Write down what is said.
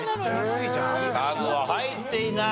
家具は入っていない。